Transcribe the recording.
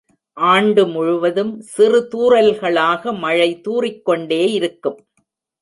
ஆண்டு முழுவதும் சிறு தூறல்களாக மழை தூறிக்கொண்டே இருக்கும்.